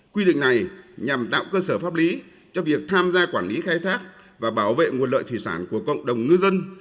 quy định này nhằm tạo cơ sở pháp lý cho việc tham gia quản lý khai thác và bảo vệ nguồn lợi thủy sản của cộng đồng ngư dân